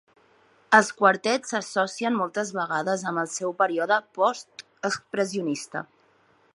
Els quartets s"associen moltes vegades amb el seu període "post-expressionista"